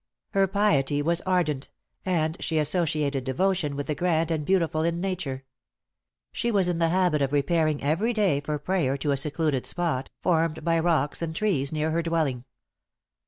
Her piety was ardent; and she associated devotion with the grand and beautiful in nature. She was in the habit of repairing every day for prayer to a secluded spot, formed by rocks and trees, near her dwelling.